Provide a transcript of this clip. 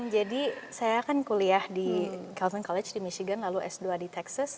jadi saya kan kuliah di calvin college di michigan lalu s dua di texas